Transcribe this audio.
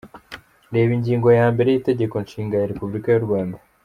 Reba Ingingo ya mbere y’Itegeko Nshinga rya Repubulika y’u Rwanda.